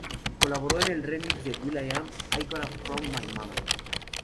Colaboró en el remix de will.i.am "I Got It from My Mama".